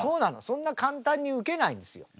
そんな簡単にウケないんですよ。